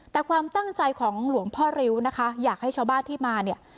แต่ความตั้งใจของหลวงพ่อริ้วนะคะอยากให้ชาวบ้านที่มาเนี่ย